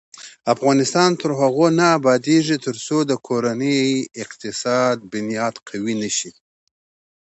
افغانستان تر هغو نه ابادیږي، ترڅو د کورنۍ اقتصادي بنیادي قوي نشي.